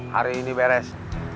hari ini beres